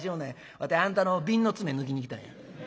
わてあんたの瓶の詰め抜きに来たんや」。